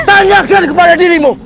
tanyakan kepada dirimu